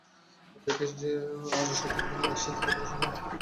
অতএব হে আর্যসন্তানগণ, আর সে-দিকে অগ্রসর হইও না।